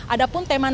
ada pun tema natal